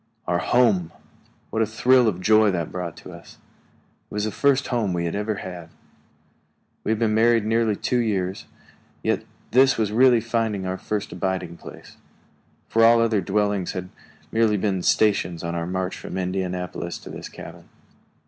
Our home! What a thrill of joy that thought brought to us! It was the first home we had ever had. We had been married nearly two years, yet this was really our first abiding place, for all other dwellings had been merely way stations on our march from Indianapolis to this cabin.